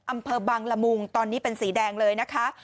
อำเภอบังละมุงตอนนี้เป็นสีแดงเลยนะคะ